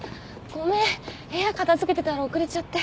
ごめん部屋片付けてたら遅れちゃって。